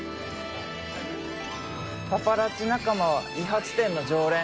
パパラッチ仲間は理髪店の常連。